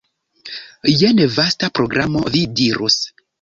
Jen vasta programo, vi dirus.